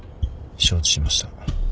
承知しました。